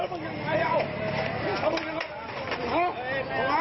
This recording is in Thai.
มึงยังไงเอา